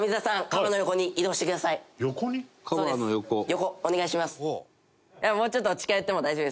横お願いします。